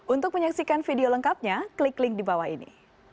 untuk menyaksikan video lengkapnya klik link di bawah ini